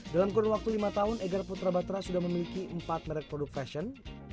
dalam kurun waktu lima tahun egar putra batra sudah memiliki empat merek produk fashion